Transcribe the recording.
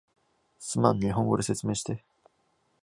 すまん、日本語で説明して